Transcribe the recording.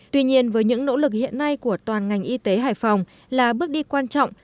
tuy nhiên với những nỗ lực hiện nay của toàn ngành y tế hải phòng là bước đi quan trọng